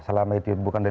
selama itu bukan dari aduan